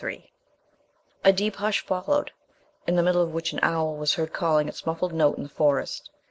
~III~ A deep hush followed, in the middle of which an owl was heard calling its muffled note in the forest.